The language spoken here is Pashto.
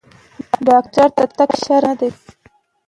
ډاکټر ته تګ شرم نه دی۔